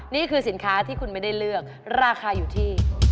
นี่คือสินค้าที่คุณไม่ได้เลือกราคาอยู่ที่